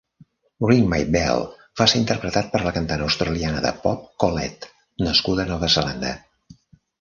"Ring My Bell" va ser interpretat per la cantant australiana de pop Collete, nascuda a Nova Zelanda.